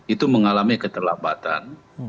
itu mengalami keterlambatan